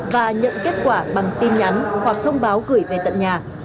và nhận kết quả bằng tin nhắn hoặc thông báo gửi về tận nhà